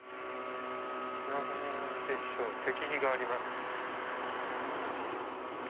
何でしょう石碑があります。